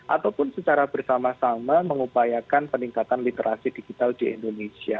ataupun secara bersama sama mengupayakan peningkatan literasi digital di indonesia